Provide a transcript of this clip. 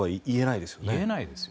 言えないですよね。